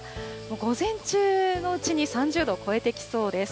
午前中のうちに３０度を超えてきそうです。